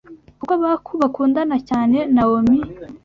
kuko bakundana cyane Nawomi